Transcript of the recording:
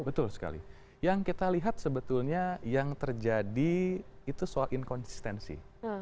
betul sekali yang kita lihat sebetulnya yang terjadi itu soal inkonsistensi